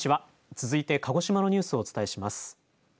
続いて鹿児島のニュースをお伝えします。